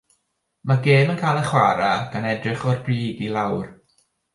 Mae'r gêm yn cael ei chwarae gan edrych o'r brig i lawr.